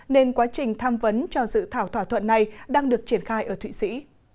nên quá trình tham vấn cho dự thảo thỏa thuận này đang được triển khai ở thụy sĩ